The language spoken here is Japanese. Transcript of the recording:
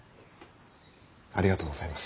ありがとうございます。